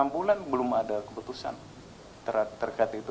enam bulan belum ada keputusan terkait itu